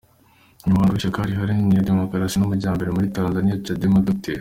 Umunyamabanga w’Ishyaka riharanira Demokarasi n’Amajyambere muri Tanzaniya - Chadema, Dr.